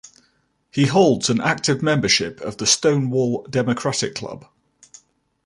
He holds an active membership of the Stonewall Democratic Club.